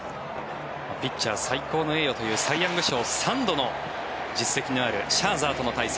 ピッチャー、最高の栄誉サイ・ヤング賞３度の受賞という実績のあるシャーザーとの対戦。